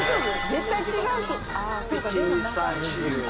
絶対違う。